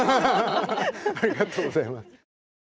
ありがとうございます。